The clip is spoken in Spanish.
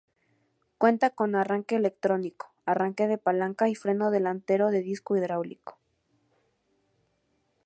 Cuenta con arranque electrónico, arranque de palanca y freno delantero de disco hidráulico.